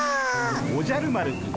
おじゃる丸くん